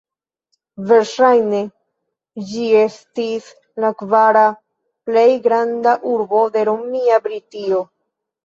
Verŝajne ĝi estis la kvara plej granda urbo de romia Britio.